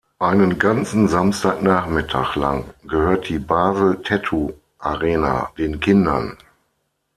Einen ganzen Samstag-Nachmittag lang gehört die Basel Tattoo Arena den Kindern.